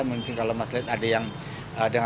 mungkin kalau mas light ada yang